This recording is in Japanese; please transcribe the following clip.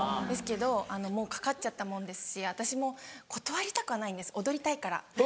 ですけどもうかかっちゃったもんですし私も断りたくはないんです踊りたいから。